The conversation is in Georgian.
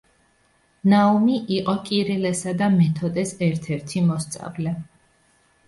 ნაუმი იყო კირილესა და მეთოდეს ერთ-ერთი მოსწავლე.